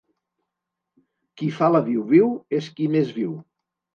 Qui fa la viu-viu, és qui més viu.